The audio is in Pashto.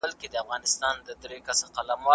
په پردي لاس مار هم مه وژنه.